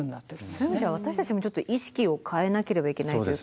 そういう意味では私たちも意識を変えなければいけないというか。